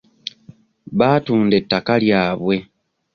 Baatunda ettaka lyabwe.